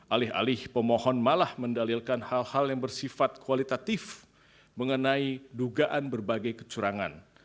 alih alih pemohon malah mendalilkan hal hal yang bersifat kualitatif mengenai dugaan berbagai kecurangan